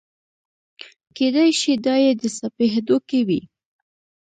کېدای شي دا یې د سپي هډوکي وي.